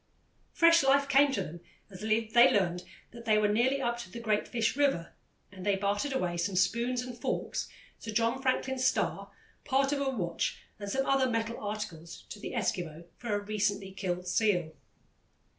Fresh life came to them as they learned that they were nearly up to the Great Fish River, and they bartered away some spoons and forks, Sir John Franklin's star, part of a watch and some other metal articles to the Eskimo for a recently killed seal.